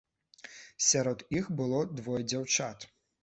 Сярод іх было двое дзяўчат.